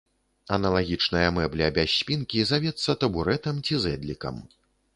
Аналагічная мэбля без спінкі завецца табурэтам ці зэдлікам.